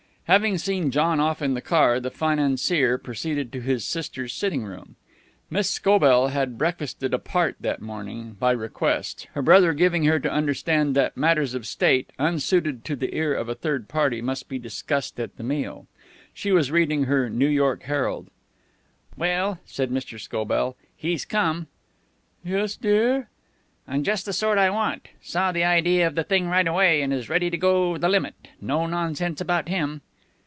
Having seen John off in the car, the financier proceeded to his sister's sitting room. Miss Scobell had breakfasted apart that morning, by request, her brother giving her to understand that matters of state, unsuited to the ear of a third party, must be discussed at the meal. She was reading her New York Herald. "Well," said Mr. Scobell, "he's come." "Yes, dear?" "And just the sort I want. Saw the idea of the thing right away, and is ready to go the limit. No nonsense about him."